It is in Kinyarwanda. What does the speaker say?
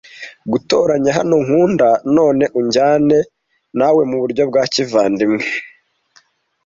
Gutoranya hano nkunda, none ujyane nawe muburyo bwa kivandimwe.